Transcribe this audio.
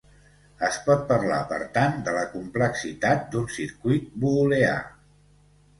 Es pot parlar, per tant, de la complexitat d'un circuit booleà.